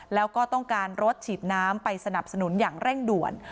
แล้วก็ต้องการรถฉีดน้ำไปสนับสนุนอย่างเร่งด่วน